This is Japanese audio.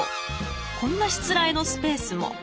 こんなしつらえのスペースも。